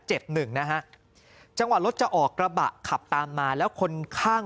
หนึ่งนะฮะจังหวะรถจะออกกระบะขับตามมาแล้วคนข้าง